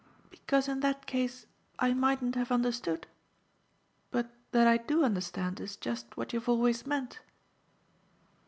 "Because in that case I mightn't have understood? But that I do understand is just what you've always meant."